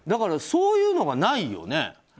そういうのがないよね。